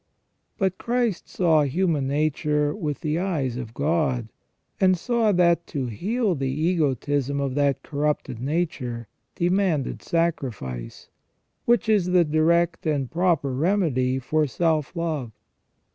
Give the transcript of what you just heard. But Christ saw human nature with the eyes of God, and saw that to heal the egotism of that corrupted nature demanded sacrifice, which is the direct and proper remedy for self love.